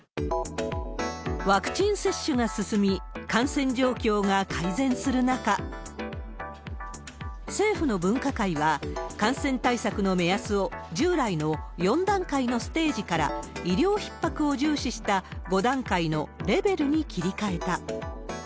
ワクチン接種が進み、感染状況が改善する中、政府の分科会は、感染対策の目安を、従来の４段階のステージから、医療ひっ迫を重視した５段階のレベルに切り替えた。